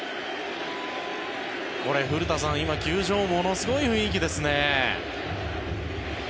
これ古田さん、今、球場ものすごい雰囲気ですね。